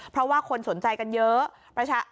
เพราะว่าคนสนใจกันเยอะ